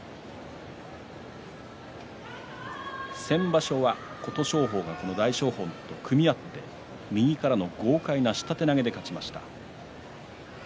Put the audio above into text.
先場所は、琴勝峰はこの大翔鵬と組み合って右からの豪快な下手投げで勝ちました。